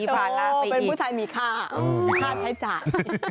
เขาเป็นผู้ชายมีค่าค่าใช้จ่าย